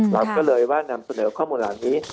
เราก็เลยว่านำเสนอข้อมูลเหล่านี้